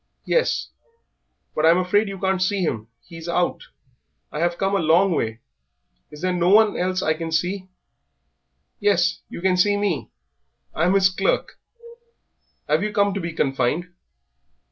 "Yes." "But I'm afraid you can't see him; he's out." "I have come a long way; is there no one else I can see?" "Yes, you can see me I'm his clerk. Have you come to be confined?"